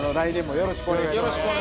よろしくお願いします。